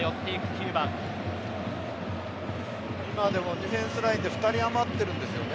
ディフェンスラインで２人余ってるんですね。